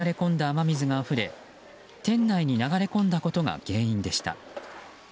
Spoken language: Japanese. ゲリラ雷雨で地下駐車場に流れ込んだ雨水があふれ店内に流れ込んだことが原因でした。